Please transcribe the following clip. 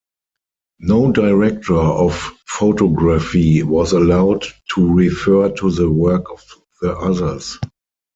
No director of photography was allowed to refer to the work of the others.